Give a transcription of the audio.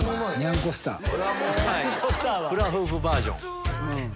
フラフープバージョン。